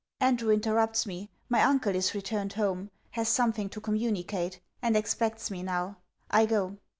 Andrew interrupts me. My uncle is returned home; has something to communicate; and expects me now. I go.